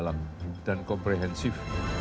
dalam dan komprehensif